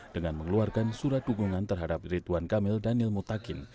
dengan mengeluarkan surat dukungan terhadap ridwan kamil daniel mutakin